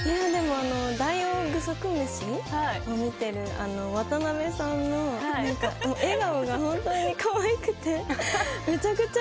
ダイオウグソクムシを見ている渡辺さんの笑顔が本当にかわいくてめちゃくちゃ